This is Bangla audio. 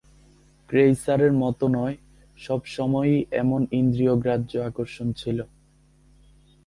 ক্রেইসারের মতো নয়, সবসময়েই এমন ইন্দ্রিয়গ্রাহ্য আকর্ষণ ছিল।